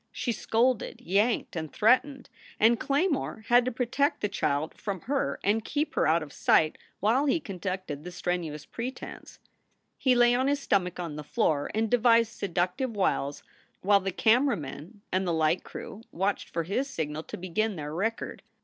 She scolded, yanked, and threatened, and Claymore had to protect the child from her and keep her out of sight while he conducted the strenuous pretense. He lay on his stomach on the floor and devised seductive wiles while the camera men and the light crew watched for his signal to begin their record.